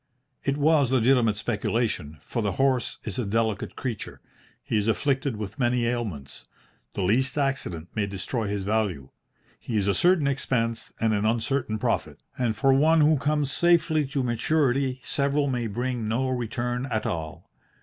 It was legitimate speculation, for the horse is a delicate creature, he is afflicted with many ailments, the least accident may destroy his value, he is a certain expense and an uncertain profit, and for one who comes safely to maturity several may bring no return at all.